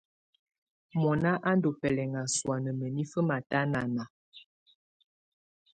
Mɔ̀nà à ndù bɛlɛna sɔ̀á nà mǝ́nifǝ́ matanana.